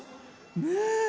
ねえ。